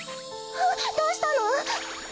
あっどうしたの？